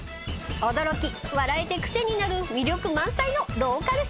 驚き笑えて癖になる魅力満載のローカルＣＭ。